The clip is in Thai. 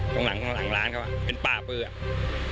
ตรงหลังหลังหลานเขาอ่ะเป็นป้าเปลือก